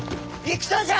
戦じゃ！